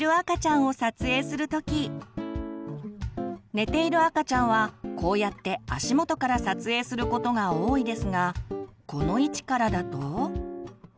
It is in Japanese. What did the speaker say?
寝ている赤ちゃんはこうやって足元から撮影することが多いですがこの位置からだと。